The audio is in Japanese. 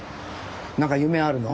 なんか夢あるの？